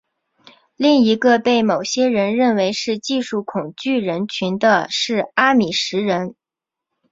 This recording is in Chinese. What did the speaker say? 另一个被某些人认为是技术恐惧人群的是阿米什人。